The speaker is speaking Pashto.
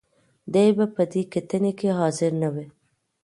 دې به په دې کتنه کې حاضر نه وي.